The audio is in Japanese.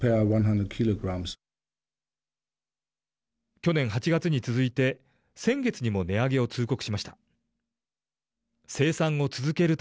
去年８月に続いて先月にも値上げを通告しました。